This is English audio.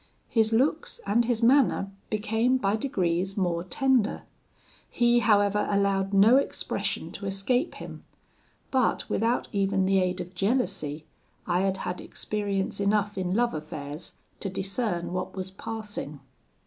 His looks and his manner became by degrees more tender. He, however, allowed no expression to escape him; but, without even the aid of jealousy, I had had experience enough in love affairs to discern what was passing.